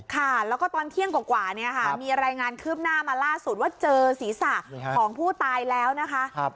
ค่ะแล้วก็ตอนเที่ยงกว่าเนี่ยค่ะมีรายงานคืบหน้ามาล่าสุดว่าเจอศีรษะของผู้ตายแล้วนะคะ